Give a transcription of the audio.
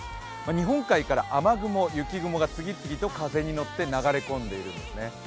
日本海から雨雲、雪雲が次々と風に乗って流れ込んでいるんですね。